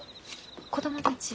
子供たち？